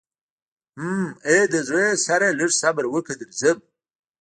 حم ای د زړه سره لږ صبر وکه درځم.